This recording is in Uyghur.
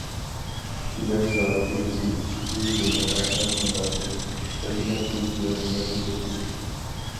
گىلەم زاۋۇتىدىكى ئىشچى گۈلنۇر ئەخەت مۇنداق دېدى: ھۆكۈمەت بىزگە ھۈنەر ئۆگەتتى.